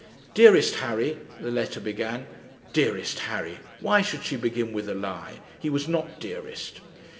'Dearest Harry,' the letter began. Dearest Harry! Why should she begin with a lie? He was not dearest!